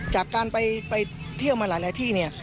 จากการไปเที่ยวมาหลายที่เนี่ย